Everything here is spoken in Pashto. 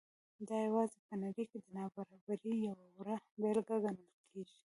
دا یوازې په نړۍ کې د نابرابرۍ یوه وړه بېلګه ګڼل کېږي.